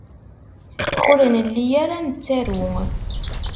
Ur nelli ara nettaru.